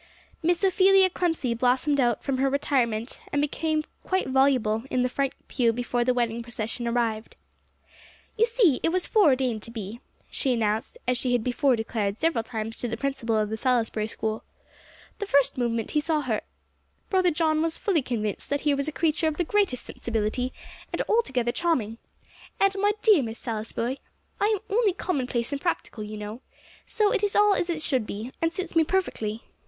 Miss Ophelia Clemcy blossomed out from her retirement, and became quite voluble, in the front pew before the wedding procession arrived. "You see, it was foreordained to be," she announced, as she had before declared several times to the principal of the Salisbury School. "The first moment he saw her, Brother John was fully convinced that here was a creature of the greatest sensibility, and altogether charming. And, my dear Miss Salisbury, I am only commonplace and practical, you know; so it is all as it should be, and suits me perfectly.